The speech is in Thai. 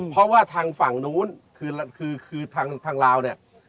เพราะว่าทางฝั่งนู้นคือคือทางลาวเนี่ย